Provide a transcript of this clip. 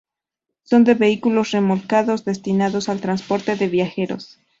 Son los vehículos remolcados destinados al transporte de viajeros.